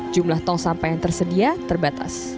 jumlah tong sampah yang tersedia terbatas